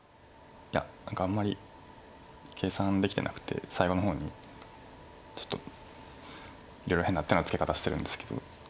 いや何かあんまり計算できてなくて最後の方にちょっといろいろ変な手のつけかたしてるんですけど。